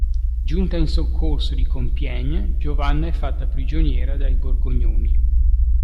Giunta in soccorso di Compiègne, Giovanna è fatta prigioniera dai borgognoni.